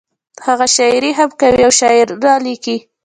هغه شاعري هم کوي او شعرونه لیکي